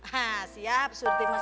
hah siap surty mas